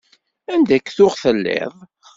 Anida k-tuɣ telliḍ?